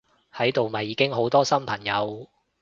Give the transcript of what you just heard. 喺度咪已經好多新朋友！